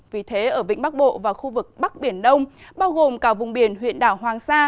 vì thế ở vĩnh bắc bộ và khu vực bắc biển đông bao gồm cả vùng biển huyện đảo hoàng sa